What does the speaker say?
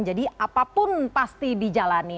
jadi apapun pasti dijalani